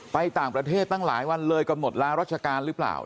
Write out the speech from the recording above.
ไปต่างประเทศตั้งหลายวันเลยกำหนดลารัชการหรือเปล่า